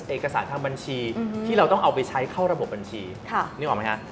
เอกสารทางบัญชีที่เราต้องเอาไปใช้เข้าระบบบัญชีนึกออกไหมฮะ